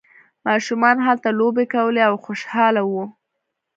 ماشومان هلته لوبې کولې او خوشحاله وو.